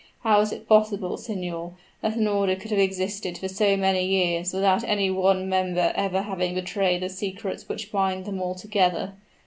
How is it possible, signor, that an order could have existed for so many years without any one member ever having betrayed the secrets which bind them all together?